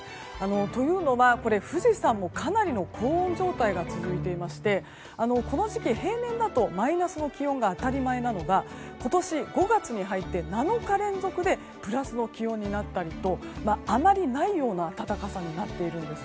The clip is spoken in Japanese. というのは富士山もかなりの高温状態が続いていましてこの時期、平年だとマイナスの気温が当たり前なのが、今年５月に入って７日連続でプラスの気温になったりとあまりないような暖かさになっているんです。